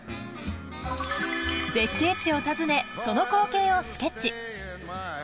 絶景地を訪ねその光景をスケッチ。